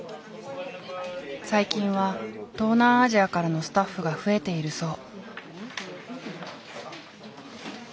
最近は東南アジアからのスタッフが増えているそう。